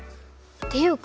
っていうか